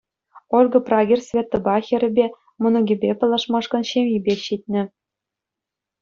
Ольга Прагер Светӑпа, хӗрӗпе, мӑнукӗпе паллашмашкӑн ҫемйипех ҫитнӗ.